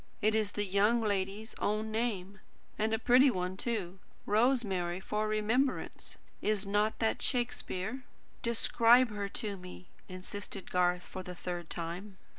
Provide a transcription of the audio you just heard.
"It is the young lady's own name, and a pretty one, too. 'Rosemary for remembrance.' Is not that Shakespeare?" "Describe her to me," insisted Garth, for the third time.